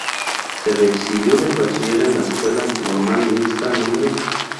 Se recibió de Bachiller en la Escuela Normal Mixta Nro.